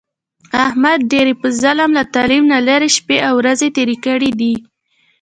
احمد ډېرې په ظلم، له تعلیم نه لرې شپې او ورځې تېرې کړې دي.